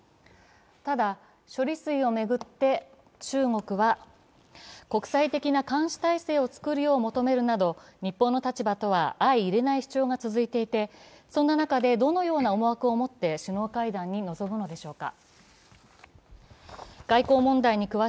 ただ、処理水を巡って、中国は国際的な監視体制を作るよう求めるなど日本の立場とは相いれない主張が続いていてそんな中でどのような思惑を持って首脳会談に臨むのでしょうか。